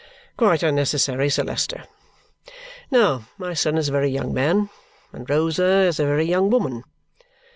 "Quite unnecessary, Sir Leicester. Now, my son is a very young man, and Rosa is a very young woman.